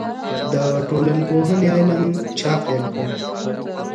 د ټولنپوهنې علم چا پیل کړ؟